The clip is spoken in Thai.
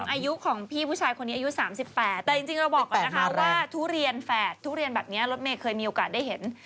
อายุของพี่ผู้ชายคนนี้อายุ๓๘แต่จริงเราบอกก่อนนะคะว่าทุเรียนแฝดทุเรียนแบบนี้รถเมย์เคยมีโอกาสได้เห็น